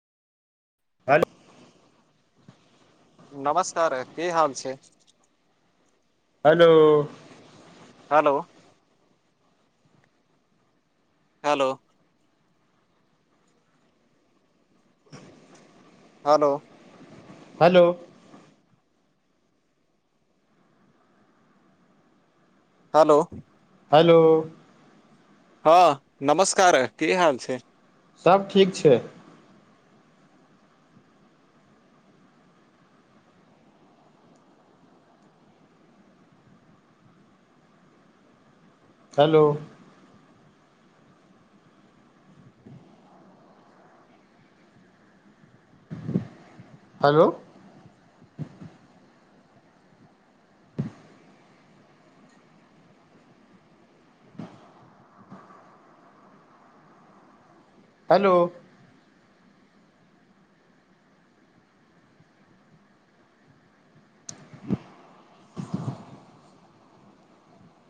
Hello नमस्कार की हाल छै hello hello hello hello hello hello hello हँ नमस्कार की हाल छै सब ठीक छै हेलो हॅलो। हेलो